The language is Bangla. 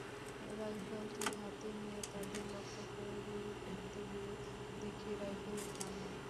রাইফেলটি হাতে নিয়ে তাদের লক্ষ্য করে গুলি করতে গিয়ে দেখি রাইফেল ভাঙা।